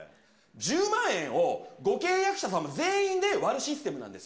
１０万円をご契約様全員で割るシステムなんです。